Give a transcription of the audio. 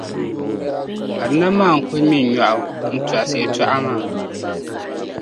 Anabi maa n-kul ŋme nyɔɣu n-tɔɣisi yɛtɔɣa maa.